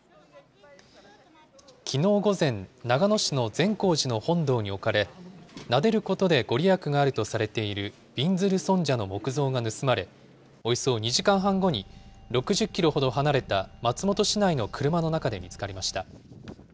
きのう午前、長野市の善光寺の本堂に置かれ、なでることで御利益があるとされているびんずる尊者の木像が盗まれ、およそ２時間半後に、６０キロほど離れた松本市内の車の中で見つかりました。